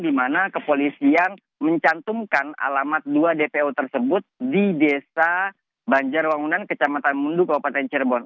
di mana kepolisian mencantumkan alamat dua dpo tersebut di desa banjarwangunan kecamatan mundu kabupaten cirebon